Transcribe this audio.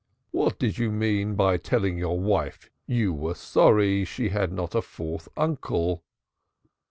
What did you mean by telling your wife you were sorry she had not a fourth uncle?"